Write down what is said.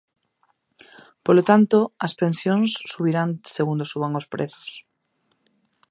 Polo tanto, as pensións subirán segundo suban os prezos.